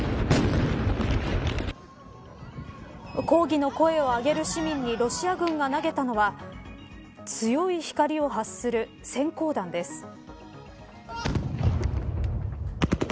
抗議の声を上げる市民にロシア軍が投げたのは強い光を発する閃光弾です。